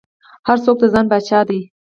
هر څوک د ځان پاچا دى.